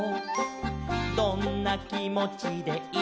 「どんなきもちでいるのかな」